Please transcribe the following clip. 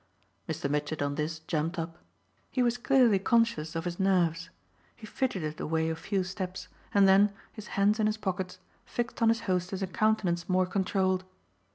Mr. Mitchett on this jumped up; he was clearly conscious of his nerves; he fidgeted away a few steps and then, his hands in his pockets, fixed on his hostess a countenance more controlled.